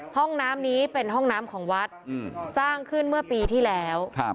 ห้องน้ำนี้เป็นห้องน้ำของวัดสร้างขึ้นเมื่อปีที่แล้ว